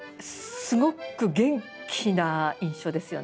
すごく元気な印象ですよね。